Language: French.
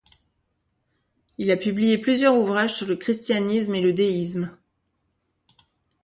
Il a publié plusieurs ouvrages sur le christianisme et le déisme.